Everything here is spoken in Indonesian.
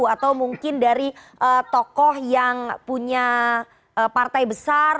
atau mungkin dari tokoh yang punya partai besar